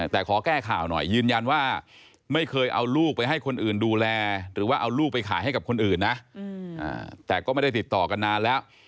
แต่ขอแก้ข่าวหน่อยยืนยันว่าไม่เคยเอาลูกไปให้คนอื่นดูแลหรือว่าเอาลูกไปขายให้กับคนอื่นนะแต่ก็ไม่ได้ติดต่อกันนานแล้ว